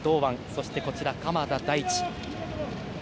そして、鎌田大地。